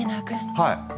はい！